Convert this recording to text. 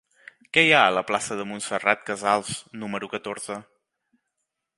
Què hi ha a la plaça de Montserrat Casals número catorze?